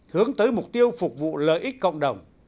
hướng tới mục tiêu phục vụ lợi ích cộng đồng